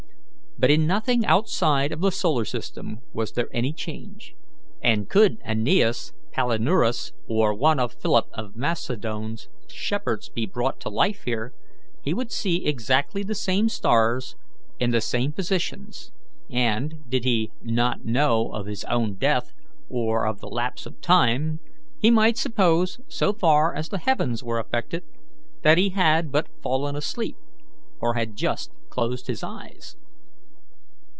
But in nothing outside of the solar system was there any change; and could AEneas's Palinurus, or one of Philip of Macedon's shepherds, be brought to life here, he would see exactly the same stars in the same positions; and, did he not know of his own death or of the lapse of time, he might suppose, so far as the heavens were affected, that he had but fallen asleep, or had just closed his eyes.